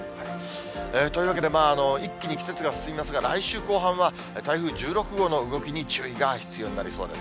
というわけで一気に季節が進みますが、来週後半は台風１６号の動きに注意が必要になりそうです。